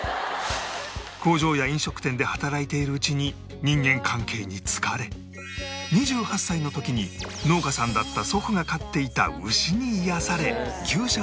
工場や飲食店で働いているうちに人間関係に疲れ２８歳の時に農家さんだった祖父が飼っていた